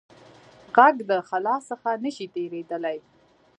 غږ د خلا څخه نه شي تېرېدای.